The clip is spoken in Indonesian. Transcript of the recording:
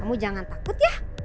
kamu jangan takut ya